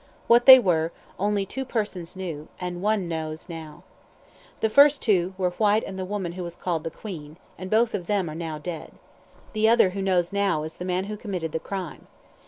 What they were, only two persons knew, and one knows now. The first two were Whyte and the woman who was called 'The Queen,' and both of them are now dead. The other who knows now is the man who committed the crime.